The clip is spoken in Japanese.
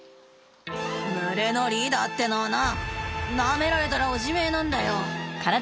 「群れのリーダーってのはなあなめられたらおしめなんだよ！